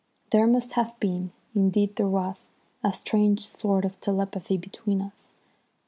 There must have been, indeed there was, a strange sort of telepathy between us.